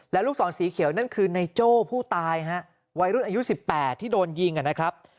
และลูกศรสีเขียวนั่นคือในโจ้ผู้ตายฮะวัยรุ่นอายุ๑๘ที่โดนยิงนะครับ